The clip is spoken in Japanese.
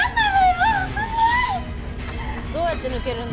どうやって抜けるんだ。